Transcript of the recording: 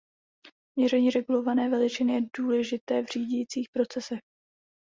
Měření regulované veličiny je důležité v řídicích procesech.